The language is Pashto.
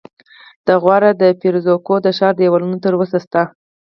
د غور د فیروزکوه د ښار دیوالونه تر اوسه شته